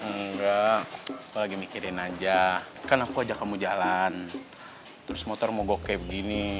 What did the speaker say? enggak aku lagi mikirin aja kan aku ajak kamu jalan terus motor mau gokep gini